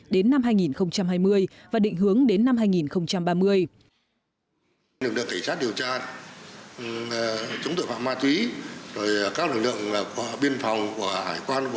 đến năm hai nghìn hai mươi và định hướng đến năm hai nghìn ba mươi